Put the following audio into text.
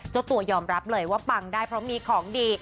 เจ้าตัวยอมรับเลยว่าปังได้เพราะมีของดี